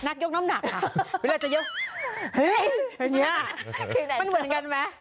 นักยกน้ำหนักครับเวลาจะยก